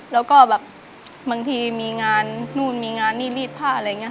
แล้วก็บางทีมีงานนี่พาอะไรอย่างนี้